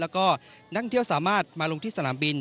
แล้วก็นักเที่ยวสามารถมาลงที่สนามบิน